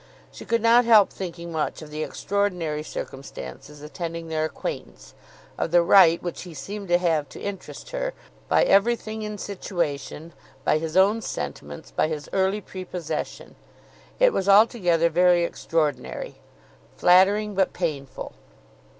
She could not help thinking much of the extraordinary circumstances attending their acquaintance, of the right which he seemed to have to interest her, by everything in situation, by his own sentiments, by his early prepossession. It was altogether very extraordinary; flattering, but painful.